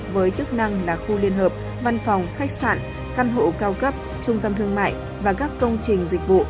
với chức năng là khu liên hợp văn phòng khách sạn căn hộ cao cấp trung tâm thương mại và các công trình dịch vụ